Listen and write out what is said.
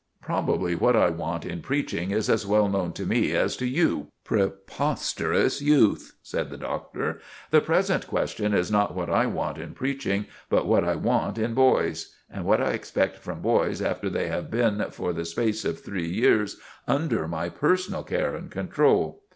"Probably what I want in preaching is as well known to me as to you, preposterous youth!" said the Doctor. "The present question is not what I want in preaching, but what I want in boys; and what I expect from boys after they have been for the space of three years under my personal care and control.